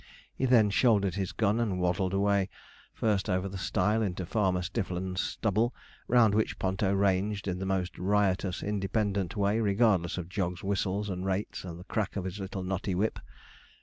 He then shouldered his gun and waddled away, first over the stile into Farmer Stiffland's stubble, round which Ponto ranged in the most riotous, independent way, regardless of Jog's whistles and rates and the crack of his little knotty whip.